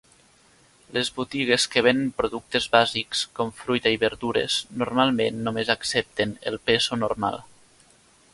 Les botigues que venen productes bàsics, com fruita i verdures, normalment només accepten el peso normal.